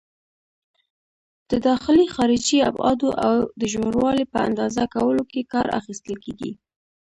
د داخلي، خارجي ابعادو او د ژوروالي په اندازه کولو کې کار اخیستل کېږي.